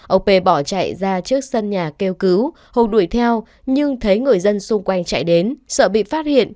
ông p bỏ chạy ra trước sân nhà kêu cứu hùng đuổi theo nhưng thấy người dân xung quanh chạy đến sợ bị phát hiện